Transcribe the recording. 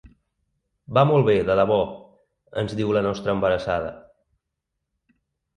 “Va molt bé, de debò”, ens diu la nostra embarassada.